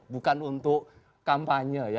bukan untuk kampanye